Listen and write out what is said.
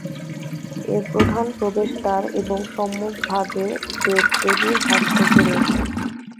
এর প্রধান প্রবেশদ্বার এবং সম্মুখভাগে দেব-দেবীর ভাস্কর্য রয়েছে।